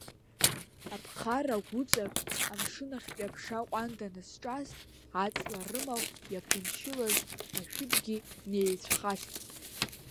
Аԥхара агәыҵак амшынахьтәи аԥша ҟәанда насҿаст, аҵла рымахә иаԥынчылаз ашәыбгьы неицәхаст.